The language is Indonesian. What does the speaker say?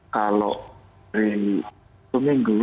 kalau di seminggu